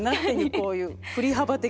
こういう振り幅的に。